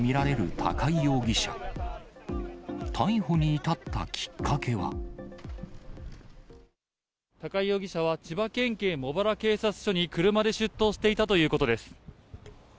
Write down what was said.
高井容疑者は、千葉県警茂原警察署に車で出頭していたということです。